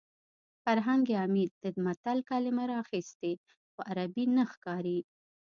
فرهنګ عمید د متل کلمه راخیستې خو عربي نه ښکاري